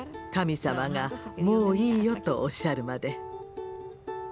神様が「もういいよ」とおっしゃるまで。